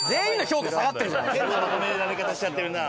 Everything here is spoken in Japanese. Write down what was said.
変なまとめられ方しちゃってるな。